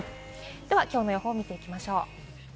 では、きょうの予報を見ていきましょう。